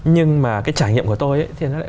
nhưng mà cái trải nghiệm của tôi thì nó lại